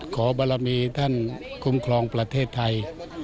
ขอบรมีท่านคุ้มครองประเทศไทย